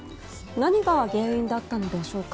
何が原因だったのでしょうか。